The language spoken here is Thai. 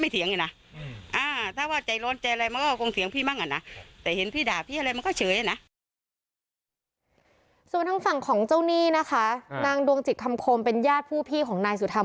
ส่วนทางฝั่งของเจ้าหนี้นะคะนางดวงจิตคำคมเป็นญาติผู้พี่ของนายสุธรรม